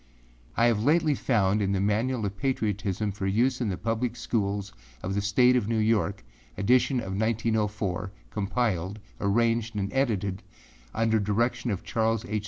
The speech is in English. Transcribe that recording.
I have lately found in the âManual of Patriotism for Use in the Public Schools of the State of New York, Edition of 1904, Compiled, Arranged and Edited under direction of Charles R.